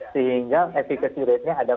sehingga efekasi ratenya ada